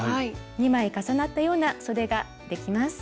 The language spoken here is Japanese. ２枚重なったようなそでができます。